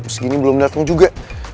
segini belum dateng juga